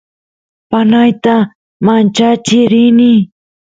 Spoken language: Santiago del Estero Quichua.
panayta manchachiy rini